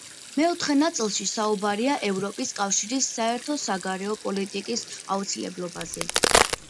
მეოთხე ნაწილში საუბარია ევროპის კავშირის საერთო საგარეო პოლიტიკის აუცილებლობაზე.